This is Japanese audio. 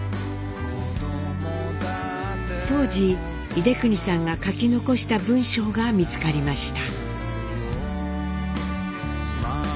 当時英邦さんが書き残した文章が見つかりました。